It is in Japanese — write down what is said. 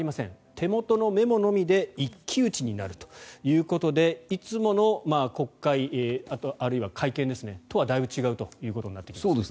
手元のメモのみで一騎打ちになるということでいつもの国会、あるいは会見とはだいぶ違うということになってきます。